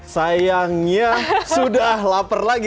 sayangnya sudah lapar lagi